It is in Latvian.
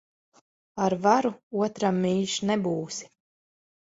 Ar varu otram mīļš nebūsi.